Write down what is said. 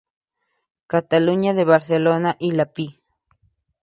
Cataluña de Barcelona y la Pl.